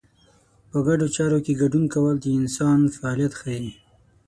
په ګډو چارو کې ګډون کول د انسان فعالیت ښيي.